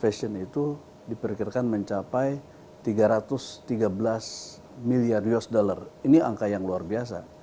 fashion itu diperkirakan mencapai tiga ratus tiga belas miliar usd ini angka yang luar biasa